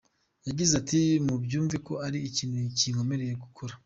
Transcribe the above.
Yagize ati “Mubyumve ko ari ikintu kinkomereye gukora.